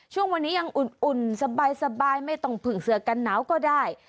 ช่วงนี้ยังอุ่นสบายไม่ต้องผึ่งเสือกันหนาวก็ได้